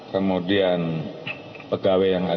kemudian pegawai yang ada